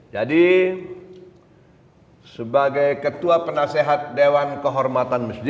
jadi sebagai ketua penasehat dewan kehormatan masjid